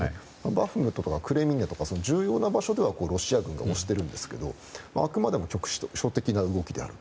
バフムトとかクレミンナとか重要な場所ではロシア軍が押しているんですがあくまでも局所的な動きである。